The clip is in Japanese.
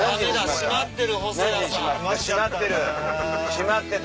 閉まってた！